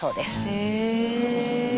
へえ。